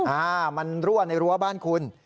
อ่ามันรั่วในรั้วบ้านคุณ